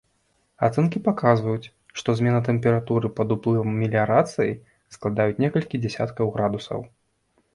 Ацэнкі паказваюць, што змена тэмпературы пад уплывам меліярацыі складаюць некалькі дзясяткаў градусаў.